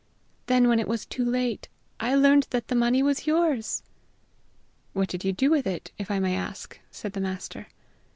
Then, when it was too late, I learned that the money was yours!" "What did you do with it, if I may ask?" said the master.